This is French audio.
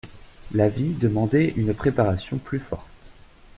La vie demandait une préparation plus forte.